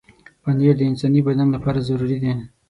پنېر د انساني بدن لپاره ضروري دی.